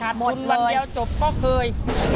บุญวันเดียวจบก็เคย